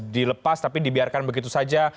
dilepas tapi dibiarkan begitu saja